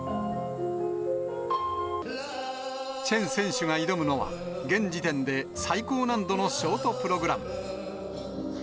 チェン選手が挑むのは、現時点で最高難度のショートプログラム。